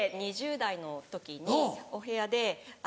２０代の時にお部屋で。